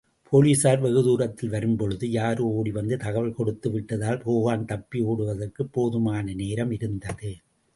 போலிஸார் வெகுதூரத்தில் வரும்போழுது யாரோ ஓடிவந்து தகவல் கொடுத்துவிட்டதால், ஹோகன்தப்பி ஓடுவதற்குப் போதுமான நேரம் இருந்தது.